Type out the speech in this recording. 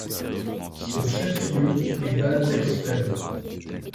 Son chef-lieu est Bad Hersfeld.